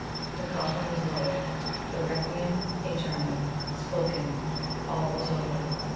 The coffin was lowered, the "Requiem aeternam" spoken all was over.